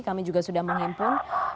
kami juga sudah menghempun